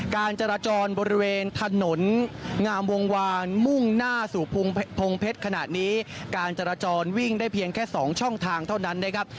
การจราจรบริเวณถนนงามวงวานมุ่งหน้าสู่พงเพชรขณะนี้การจราจรวิ่งได้เพียงแค่๒ช่องทางเท่านั้นนะครับ